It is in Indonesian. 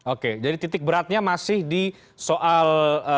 oke jadi titik beratnya masih di soal